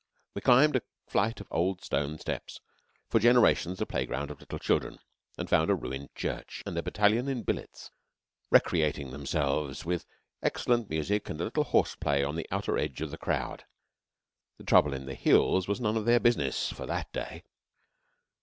We climbed a flight of old stone steps, for generations the playground of little children, and found a ruined church, and a battalion in billets, recreating themselves with excellent music and a little horseplay on the outer edge of the crowd. The trouble in the hills was none of their business for that day.